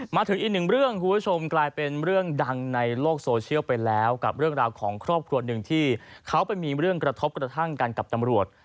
มาถึงอีกหนึ่งเรื่องคุณผู้ชมกลายเป็นเรื่องดังในโลกโซเชียลไปแล้วกับเรื่องราวของครอบครัวหนึ่งที่เขาไปมีเรื่องกระทบกระทั่งกันกับตำรวจ